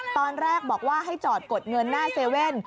ตอนแรกบอกว่าให้จอดกดเงินหน้าเซเว่น